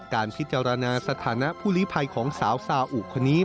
การพิจารณาสถานะผู้ลิภัยของสาวซาอุคนนี้